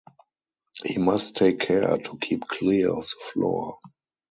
He must take care to keep clear of the floor.